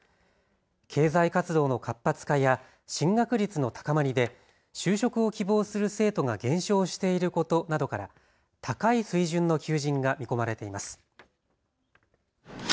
経済活動の活発化や進学率の高まりで就職を希望する生徒が減少していることなどから高い水準の求人が見込まれています。